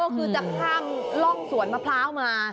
คือจะข้ามร่องสวนมะพร้าวมา